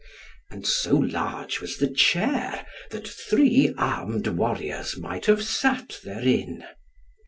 And so large was the chair that three armed warriors might have sat therein.